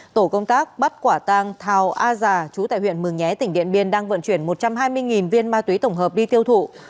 tổ công tác bắt quả tang thào a già chú tại huyện mường nhé tỉnh điện biên đang vận chuyển một trăm hai mươi viên ma túy tổng hợp đi tiêu thụ